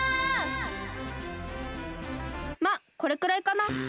まっこれくらいかな。